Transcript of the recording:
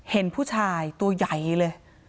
เห็นผู้ชายตัวใหญ่เลย